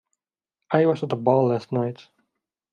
I was at a ball last night.